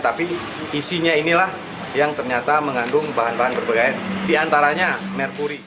tapi isinya inilah yang ternyata mengandung bahan bahan berbahaya diantaranya merkuri